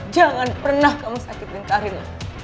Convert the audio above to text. jangan pernah kamu sakitin karin